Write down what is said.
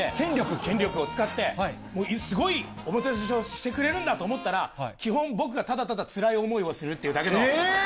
権力を使って、すごいおもてなしをしてくれんだと思ったら、基本、僕がただただつらい思いをするってだけの。